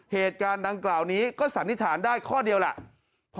เหตุการณ์ดังกล่าวนี้ก็สันนิษฐานได้ข้อเดียวแหละ